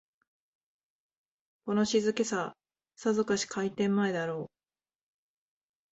この静けさ、さぞかし開店前だろう